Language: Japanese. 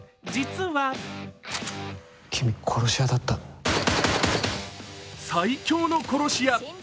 実は最強の殺し屋。